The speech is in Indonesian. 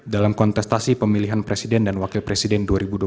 dalam kontestasi pemilihan presiden dan wakil presiden